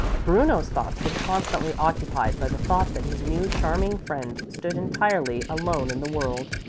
Bruno's thoughts were constantly occupied by the thought that his new, charming friend stood entirely alone in the world.